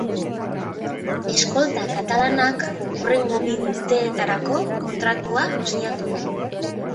Eskolta katalanak hurrengo bi urteetarako kontratua sinatu du.